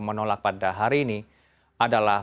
menolak pada hari ini adalah